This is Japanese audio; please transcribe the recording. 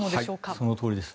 そのとおりです。